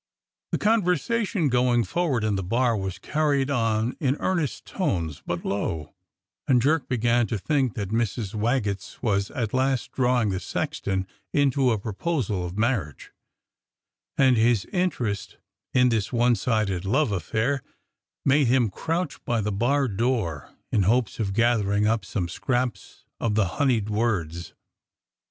The conversation going forward in the bar was carried on in earnest tones but low, and Jerk began to think that Mrs. Waggetts was at last drawing the sexton into a proposal of marriage, and his interest in this one sided love affair made him crouch by the bar door in hopes of gathering up some scraps of the honeyed words.